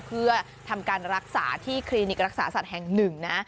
เพื่อทำการรักษาที่คลินิกรักษาสัตว์แห่งหนึ่งนะ